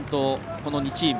この２チーム。